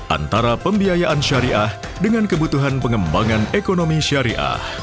antara pembiayaan syariah dengan kebutuhan pengembangan ekonomi syariah